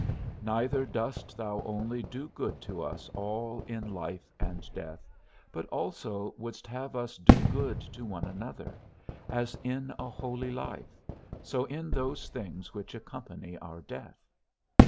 Neither dost thou only do good to us all in life and death, but also wouldst have us do good to one another, as in a holy life, so in those things which accompany our death.